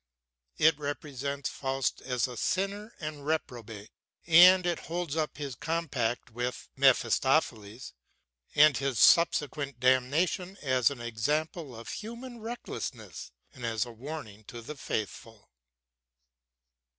It represents Faust as a sinner and reprobate, and it holds up his compact with Mephistopheles and his subsequent damnation as an example of human recklessness and as a warning to the faithful.